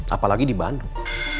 apalagi di bandung